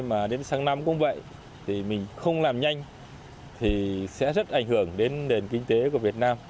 mà đến sáng năm cũng vậy thì mình không làm nhanh thì sẽ rất ảnh hưởng đến nền kinh tế của việt nam